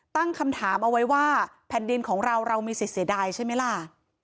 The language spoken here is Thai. ตั้งคำถามเอาไว้ว่าแผ่นดินของเราเรามีสิทธิ์เสียดายใช่ไหมล่ะ